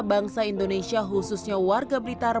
bangsa indonesia khususnya warga blitar